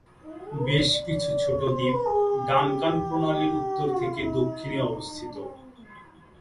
বেশ কিছু ছোট দ্বীপ ডানকান প্রণালীর উত্তর থেকে দক্ষিণে অবস্থিত।